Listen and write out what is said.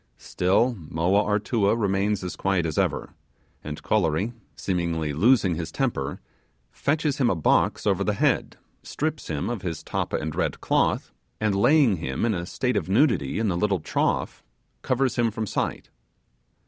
Still Moa Artua remains as quiet as ever; and Kolory, seemingly losing his temper, fetches him a box over the head, strips him of his tappa and red cloth, and laying him in a state of nudity in a little trough, covers him from sight.